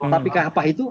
tapi apa itu